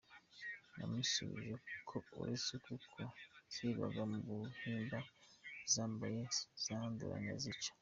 Namusubije ko uretse n’uko zirirwaga mu mihanda zambaye zanduranya, zica.